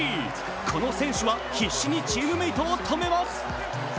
この選手は必死にチームメートを止めます。